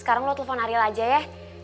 sekarang lo telepon ariel aja ya